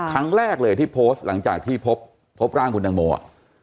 ครั้งแรกเลยที่โพสต์หลังจากที่พบร่างคุณตังโมอ่ะ